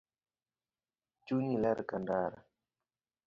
Chunyi ler kandara